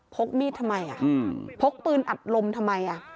กมีดทำไมพกปืนอัดลมทำไม